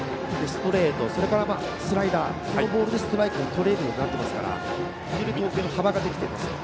ストレート、それからスライダーそのボールでストライクがとれるようになってきてますから非常に投球の幅ができています。